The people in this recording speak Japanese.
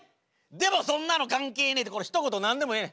でもそんなの関係ねえ！ってこのひと言何でもええ。